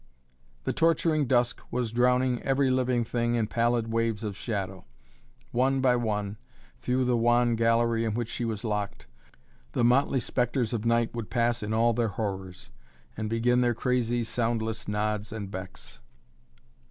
The torturing dusk was drowning every living thing in pallid waves of shadow. One by one, through the wan gallery in which she was locked, the motley spectres of night would pass in all their horrors, and begin their crazy, soundless nods and becks.